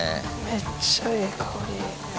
めっちゃええ香り。